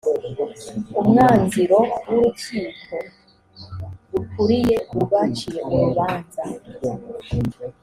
umwanziro w urukiko rukuriye urwaciye urubanza